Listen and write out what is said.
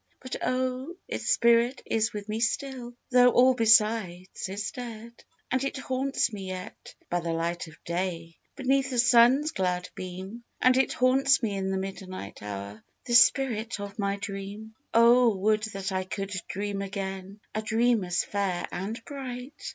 But, oh ! its Spirit is with me still, Though all besides is dead ! And it haunts me yet, by the light of day, Beneath the sun's glad beam, And it haunts me in the midnight hour. This Spirit of my Dream ! Oh ! would that I could dream again A dream as fair and bright